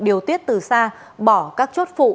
điều tiết từ xa bỏ các chốt phụ